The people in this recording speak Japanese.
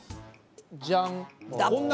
じゃん。